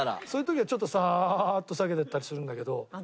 そういう時はちょっとサーッと下げてったりするんだけど。